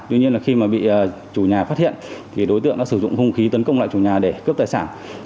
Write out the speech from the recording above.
tuy nhiên là khi mà bị chủ nhà phát hiện thì đối tượng đã sử dụng hung khí tấn công lại chủ nhà để cướp tài sản